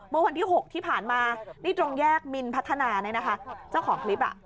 เมื่อวันที่๖ที่ผ่านมานี่ตรงแยกมินพัฒนาเนี่ยนะคะเจ้าของคลิปอ่ะ